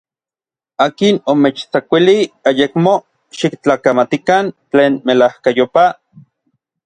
¿akin omechtsakuilij ayekmo xiktlakamatikan tlen melajkayopaj?